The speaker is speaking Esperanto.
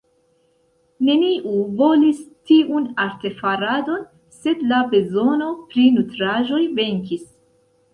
Neniu volis tiun artefaradon, sed la bezono pri nutraĵoj venkis.